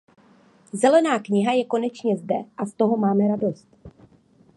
Zelená kniha je konečně zde a z toho máme radost.